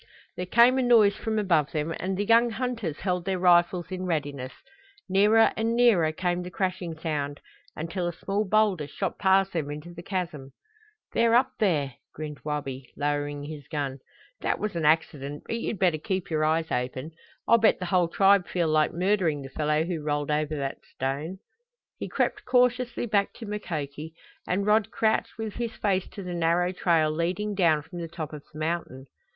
There came a noise from above them and the young hunters held their rifles in readiness. Nearer and nearer came the crashing sound, until a small boulder shot past them into the chasm. "They're up there," grinned Wabi, lowering his gun. "That was an accident, but you'd better keep your eyes open. I'll bet the whole tribe feel like murdering the fellow who rolled over that stone!" He crept cautiously back to Mukoki, and Rod crouched with his face to the narrow trail leading down from the top of the mountain.